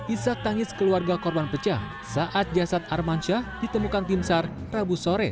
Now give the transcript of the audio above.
ishak tangis keluarga korban pecah saat jasad armansyah ditemukan timsar rabu sore